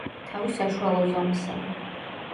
თავი საშუალო ზომისაა.